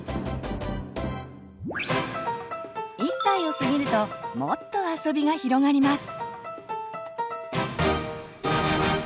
１歳を過ぎるともっとあそびが広がります！